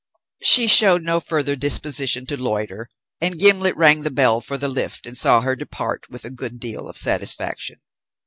She showed no further disposition to loiter; and Gimblet rang the bell for the lift and saw her depart with a good deal of satisfaction.